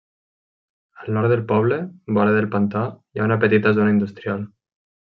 Al nord del poble, vora del pantà, hi ha una petita zona industrial.